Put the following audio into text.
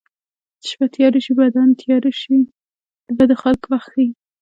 چې شپه تیاره شي بدان تېره شي د بدو خلکو وخت ښيي